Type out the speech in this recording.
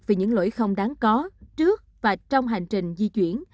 về những lỗi không đáng có trước và trong hành trình di chuyển